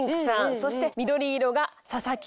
そして緑色が佐々木理恵さん。